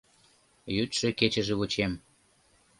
Йӱдшӧ-кечыже вучем.